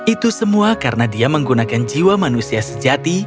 itu semua karena dia menggunakan jiwa manusia sejati